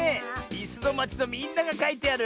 「いすのまち」のみんながかいてある！